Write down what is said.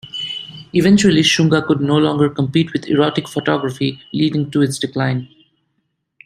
Eventually, shunga could no longer compete with erotic photography, leading to its decline.